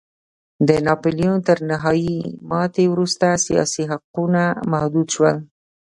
د ناپلیون تر نهايي ماتې وروسته سیاسي حقونه محدود شول.